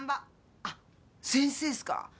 あっ先生っすか。